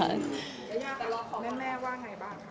แม่ว่าไงบ้าง